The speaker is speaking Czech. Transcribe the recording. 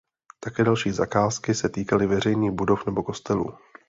Také další zakázky se týkaly veřejných budov nebo kostelů.